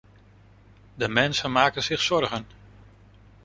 De mensen maken zich zorgen.